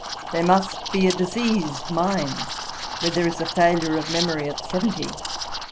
'There must be a diseased mind, where there is a failure of memory at seventy.